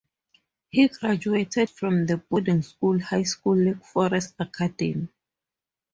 He graduated from the boarding school high school Lake Forest Academy.